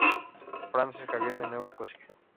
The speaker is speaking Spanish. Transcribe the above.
Francis Xavier de Nueva Escocia.